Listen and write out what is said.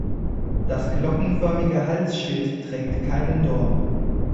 Das glockenförmige Halsschild trägt keinen Dorn.